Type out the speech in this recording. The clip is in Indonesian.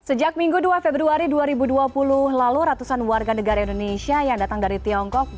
sejak minggu dua februari dua ribu dua puluh lalu ratusan warga negara indonesia yang datang dari tiongkok